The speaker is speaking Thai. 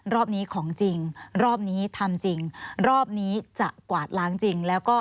รอบนี้ของจริงรอบนี้ทำจริงรอบนี้จะกวาดล้างจริงแล้วก็